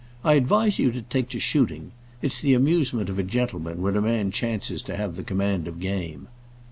"I advise you to take to shooting. It's the amusement of a gentleman when a man chances to have the command of game."